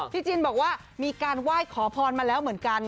จินบอกว่ามีการไหว้ขอพรมาแล้วเหมือนกัน